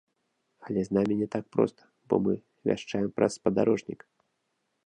Але з намі не так проста, бо мы вяшчаем праз спадарожнік.